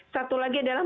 satu lagi adalah